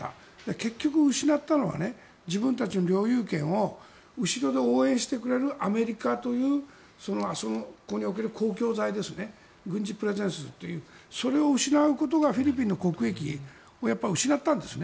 結局、失ったのは自分たちの領有権を後ろで応援してくれるアメリカというあそこにおける公共財ですね軍事プレゼンスというそれを失うことがフィリピンの国益をやっぱり失ったんですね。